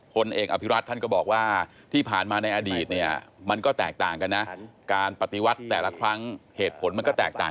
ผลเอกอภิรัชท่านก็บอกว่าที่ผ่านมาในอดีตมันก็แตกต่างกัน